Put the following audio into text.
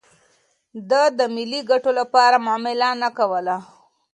ده د ملي ګټو لپاره معامله نه کوله.